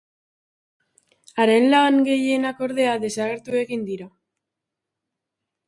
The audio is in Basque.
Haren lan gehienak, ordea, desagertu egin dira.